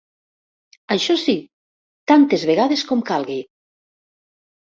Això sí, tantes vegades com calgui.